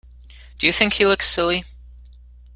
Do you think he looks silly?